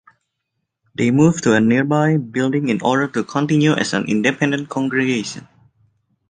They moved to a nearby building in order to continue as an independent congregation.